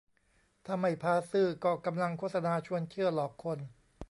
ถ้าไม่พาซื่อ ก็กำลังโฆษณาชวนเชื่อหลอกคน